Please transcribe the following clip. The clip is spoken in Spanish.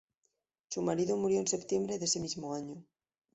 Su marido murió en septiembre de ese mismo año.